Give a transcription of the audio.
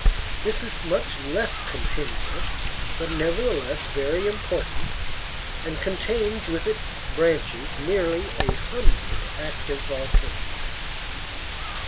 This is much less continuous, but nevertheless very important, and contains, with its branches, nearly a hundred active volcanoes.